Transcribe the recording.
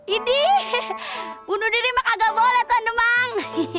ini bunuh diri mah kagak boleh tuan demang